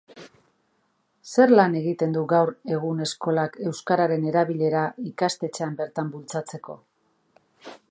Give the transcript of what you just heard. Zer lan egiten du gaur egun eskolak euskararen erabilera ikastetxean bertan bultzatzeko?